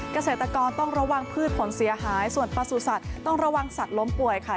เกษตรกรต้องระวังพืชผลเสียหายส่วนประสุทธิ์ต้องระวังสัตว์ล้มป่วยค่ะ